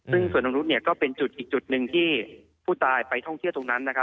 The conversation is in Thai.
ซึ่งสวนนกรุ๊ดก็เป็นจุดอีกจุดหนึ่งที่ผู้ตายไปท่องเที่ยวตรงนั้นนะครับ